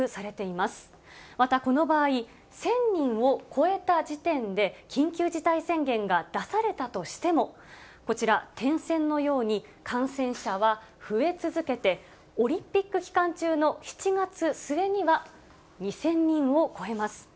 またこの場合、１０００人を超えた時点で、緊急事態宣言が出されたとしても、こちら、点線のように、感染者は増え続けて、オリンピック期間中の７月末には２０００人を超えます。